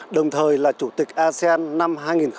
đồng thời là chủ tịch asean năm hai nghìn hai mươi